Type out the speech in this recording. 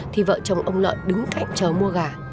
thì vợ chồng ông lợi đứng cạnh chờ mua gà